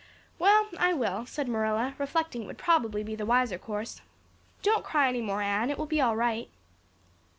"Well, I will," said Marilla, reflecting that it would probably be the wiser course. "Don't cry any more, Anne. It will be all right."